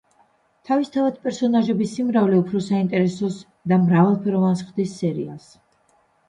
თავისთავად პერსონაჟების სიმრავლე უფრო საინტერესოს და მრავალფეროვანს ხდის სერიალს.